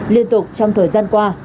liên tục trong thời gian qua